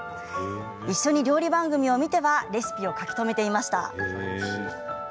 一緒に料理番組を見てはレシピを書き留めていました。